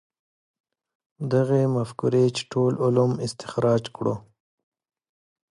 دغې مفکورې چې ټول علوم استخراج کړو.